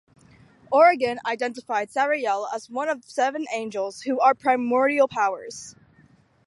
Origen identified Sariel as one of seven angels who are primordial powers.